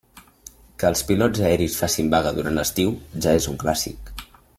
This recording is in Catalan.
Que els pilots aeris facin vaga durant l'estiu, ja és un clàssic.